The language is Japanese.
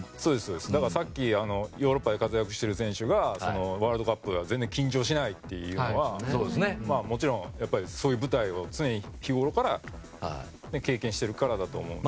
さっきヨーロッパで活躍している選手がワールドカップで全然緊張しないっていうのはもちろんそういう舞台を常日ごろから経験しているからだと思うので。